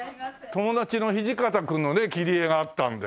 友達の土方くんの切り絵があったんで。